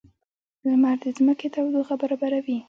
• لمر د ځمکې تودوخه برابروي.